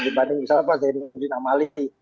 dibanding misalnya pak zainuddin amali